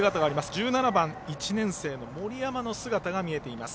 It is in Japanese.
１７番、１年生の森山の姿が見えています。